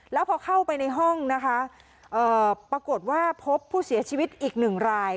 แล้วพอเข้าไปในห้องนะคะปรากฏว่าพบผู้เสียชีวิตอีกหนึ่งราย